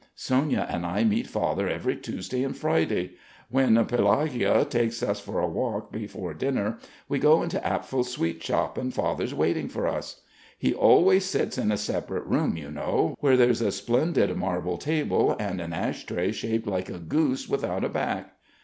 Sonya and I meet Father every Tuesday and Friday. When Pelagueia takes us for a walk before dinner, we go into Apfel's sweet shop and Father's waiting for us. He always sits in a separate room, you know, where there's a splendid marble table and an ash tray shaped like a goose without a back...."